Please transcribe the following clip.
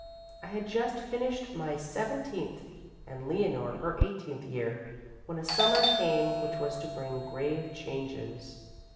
I had just finished my seventeenth and Leonore her eighteenth year when a summer came which was to bring grave changes.